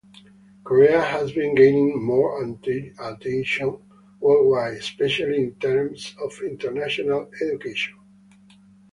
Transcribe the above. Korea has been gaining more attention worldwide, especially in terms of international education.